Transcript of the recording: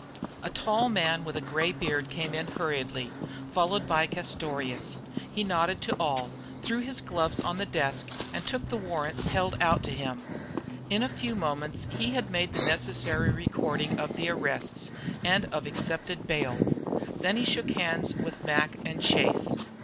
A tall man with a gray beard came in hurriedly, followed by Castorious. He nodded to all, threw his gloves on the desk, and took the warrants held out to him. In a few moments he had made the necessary recording of the arrests and of accepted bail. Then he shook hands with Mac and Chase.